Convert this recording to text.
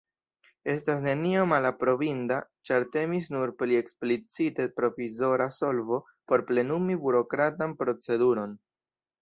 Estas nenio malaprobinda, ĉar temis nur pri eksplicite provizora solvo por plenumi burokratan proceduron.